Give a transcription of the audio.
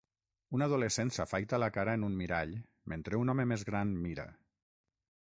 Un adolescent s'afaita la cara en un mirall mentre un home més gran mira.